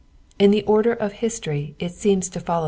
In Vie order of history it seanM tofoilov!